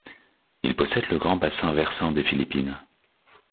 Il possède le grand bassin versant des Philippines.